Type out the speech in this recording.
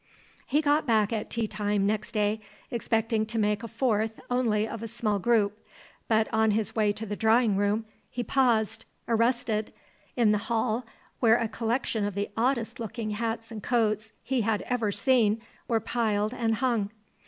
He got back at tea time next day, expecting to make a fourth only of the small group; but, on his way to the drawing room, he paused, arrested, in the hall, where a collection of the oddest looking hats and coats he had ever seen were piled and hung.